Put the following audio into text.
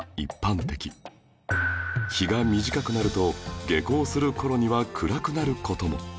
日が短くなると下校する頃には暗くなる事も